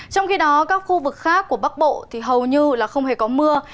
trong khi đó các khu vực khác của bắc bộ hầu như không hề có mưa